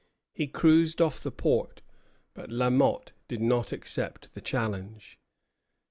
He cruised off the port; but La Motte did not accept the challenge.